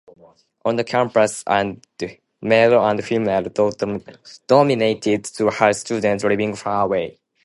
On the campus are male and female dormitories to house students living far away.